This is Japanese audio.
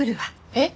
えっ？